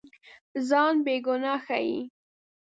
ځان بېګناه ښيي.